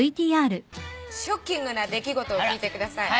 「ショッキングな出来事を聞いてください」